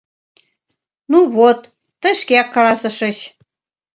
— Ну, вот, тый шкеак каласышыч.